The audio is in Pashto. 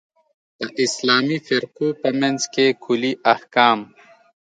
د اسلامي فرقو په منځ کې کُلي احکام.